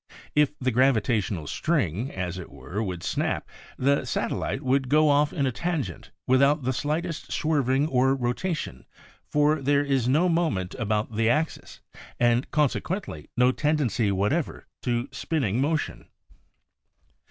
// the gravitational string, as it were, zvould snap, the satellite would go off in a tangent without the slightest swerving or rotation, for there is no moment about the axis and, consequently, no tendency whatever to spinning motion.